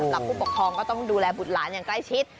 ผู้ปกครองก็ต้องดูแลบุตรหลานอย่างใกล้ชิด